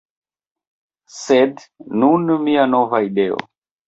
Sed, nun mia nova ideo